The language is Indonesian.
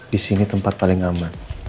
disini tempat paling aman